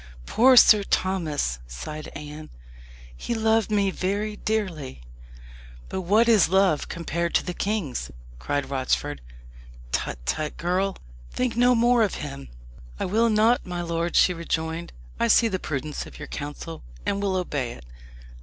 "Poor Sir Thomas!" sighed Anne. "He loved me very dearly." "But what is his love compared to the king's?" cried Rochford. "Tut, tut, girl! think no more of him." "I will not, my lord," she rejoined; "I see the prudence of your counsel, and will obey it.